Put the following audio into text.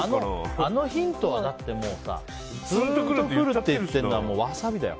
あのヒントはツーンとくるって言ってるからワサビだよ。